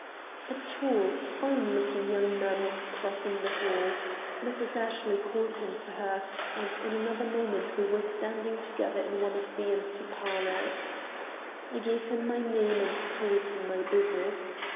A tall, fine looking young man was crossing the hall. Mrs. Ashley called him to her, and in another moment we were standing together in one of the empty parlors. I gave him my name and told him my business.